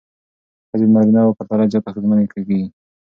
ښځې د نارینه وو پرتله زیات اغېزمنې کېږي.